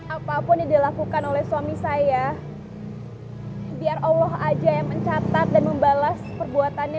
apapun yang dilakukan oleh suami saya biar allah aja yang mencatat dan membalas perbuatannya